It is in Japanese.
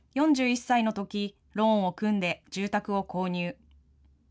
４１歳のとき、ローンを組んで住宅を購入。